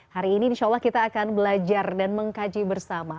hari ini insya allah kita akan belajar dan mengkaji bersama